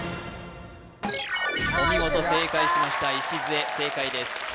お見事正解しましたいしずえ正解です・